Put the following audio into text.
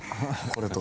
これと。